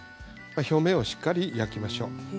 表面をしっかり焼きましょう。